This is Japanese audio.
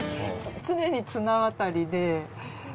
常に綱渡りです。